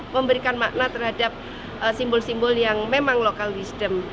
memberikan makna terhadap simbol simbol yang memang local wisdom